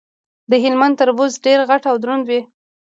د هلمند تربوز ډیر غټ او دروند وي.